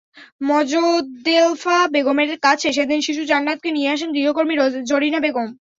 মজদ্দেলফা বেগমের কাছে সেদিন শিশু জান্নাতকে নিয়ে আসেন গৃহকর্মী জরিনা বেগম।